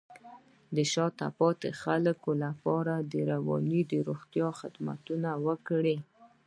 د شاته پاتې خلکو لپاره د رواني روغتیا خدمتونه ورکړئ.